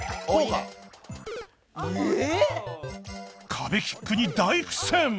壁キックに大苦戦！